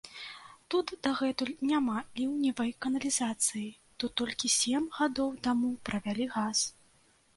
Тут дагэтуль няма ліўневай каналізацыі, тут толькі сем гадоў таму правялі газ.